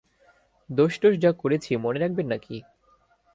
দোষটোষ যা করেছি মনে রাখবেন নাকি?